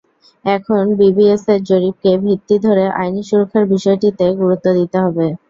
এখন বিবিএসের জরিপকে ভিত্তি ধরে আইনি সুরক্ষার বিষয়টিতে গুরুত্ব দিতে হবে।